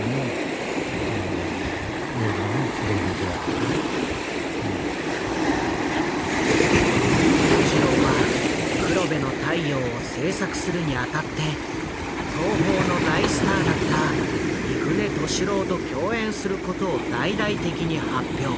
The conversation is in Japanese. とにかく裕次郎は「黒部の太陽」を製作するにあたって東宝の大スターだった三船敏郎と共演することを大々的に発表。